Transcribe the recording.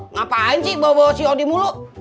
ngapain sih bawa bawa si odi mulu